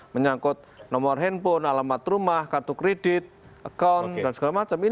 menyangkut nomor handphone alamat rumah kartu kredit account dan segala macam